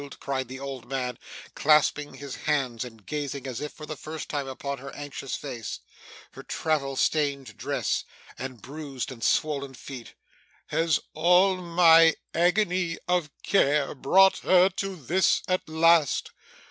cried the old man, clasping his hands and gazing as if for the first time upon her anxious face, her travel stained dress, and bruised and swollen feet; 'has all my agony of care brought her to this at last!